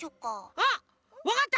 あっわかった！